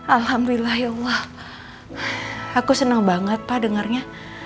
alhamdulillah ya allah aku senang banget pak dengarnya